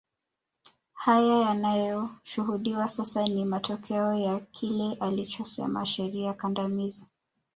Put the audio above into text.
Haya yanayoshuhudiwa sasa ni matokeo ya kile alichosema sheria kandamizi